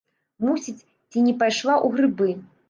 Мусіць, ці не пайшла ў грыбы.